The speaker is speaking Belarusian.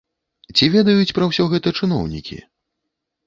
Ці ведаюць пра ўсё гэта чыноўнікі?